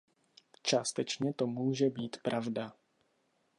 Částečně to může být pravda.